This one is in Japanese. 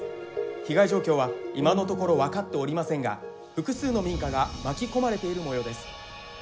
被害状況は今のところ分かっておりませんが複数の民家が巻き込まれているもようです。